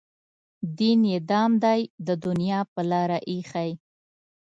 دین یې دام دی د دنیا په لاره ایښی.